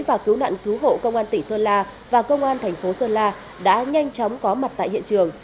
và cứu nạn cứu hộ công an tỉnh sơn la và công an thành phố sơn la đã nhanh chóng có mặt tại hiện trường